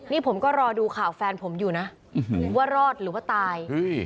นี่ผมก็รอดูข่าวแฟนผมอยู่นะว่ารอดหรือว่าตาย